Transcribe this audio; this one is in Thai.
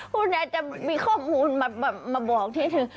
คุณแน่จะมีข้อมูลมาบอกที่นี่